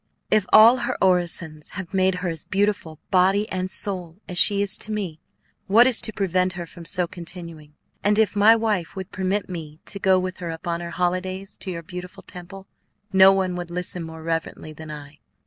If all her orisons have made her as beautiful, body and soul, as she is to me, what is to prevent her from so continuing? And if my wife would permit me to go with her upon her holidays to your beautiful Temple, no one would listen more reverently than I.